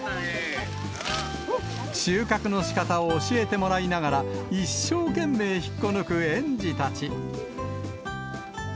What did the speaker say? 収穫のしかたを教えてもらいながら、一生懸命引っこ抜く園児たち。